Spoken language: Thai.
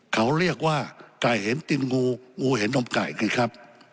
เขาเรียกว่าไก่เห็นตินงูงูเห็นนมไก่ไงครับ